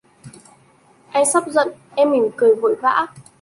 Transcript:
Anh sắp giận, em mỉm cười vội vã